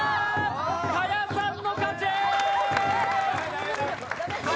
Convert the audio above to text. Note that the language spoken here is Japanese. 賀屋さんの勝ち！！